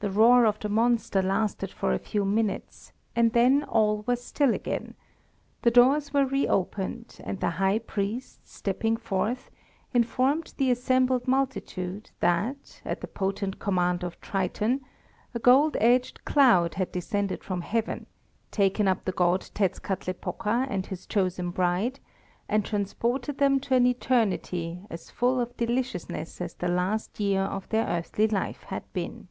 The roar of the monster lasted for a few minutes, and then all was still again; the doors were re opened, and the high priest, stepping forth, informed the assembled multitude that, at the potent command of Triton, a gold edged cloud had descended from heaven, taken up the god Tetzkatlepoka and his chosen bride, and transported them to an eternity as full of deliciousness as the last year of their earthly life had been.